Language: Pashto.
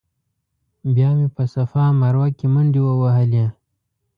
بیا مې په صفا مروه کې منډې ووهلې.